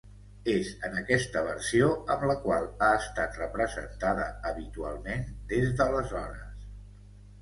És en aquesta versió amb la qual ha estat representada habitualment des d'aleshores.